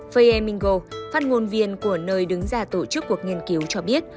fayer mingo phát ngôn viên của nơi đứng ra tổ chức cuộc nghiên cứu cho biết